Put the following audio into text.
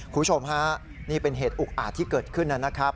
คุณผู้ชมฮะนี่เป็นเหตุอุกอาจที่เกิดขึ้นนะครับ